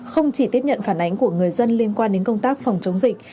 không chỉ tiếp nhận phản ánh của người dân liên quan đến công tác phòng chống dịch